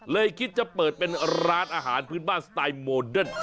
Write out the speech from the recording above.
คิดจะเปิดเป็นร้านอาหารพื้นบ้านสไตล์โมเดิร์น